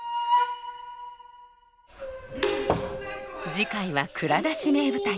次回は「蔵出し！名舞台」。